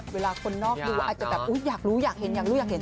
คนนอกดูอาจจะแบบอุ๊ยอยากรู้อยากเห็นอยากรู้อยากเห็น